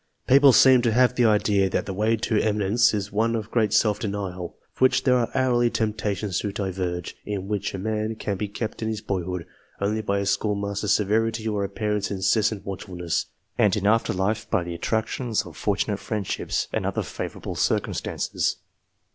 People seem to have the idea that the way to eminence is one of great self denial, from which there are hourly temptations to diverge : in which a man can be kept in his boyhood, only by a schoolmaster's severity or a parent's incessant watchfulness, and in after life by the attrac tions of fortunate friendships and other favourable cir cumstances.